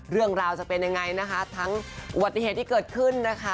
เรื่องราวจะเป็นยังไงนะคะทั้งอุบัติเหตุที่เกิดขึ้นนะคะ